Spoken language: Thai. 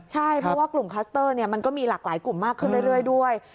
ใช่เพราะว่ากลุ่มคลัสเตอร์มันก็มีหลากหลายกลุ่มมากขึ้นเรื่อยด้วย